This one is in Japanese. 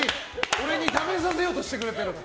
俺に食べさせようとしてくれてる。